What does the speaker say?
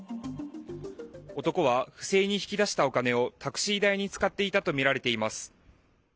男は不正に引き出したお金をタクシー代に使っていたとみられています。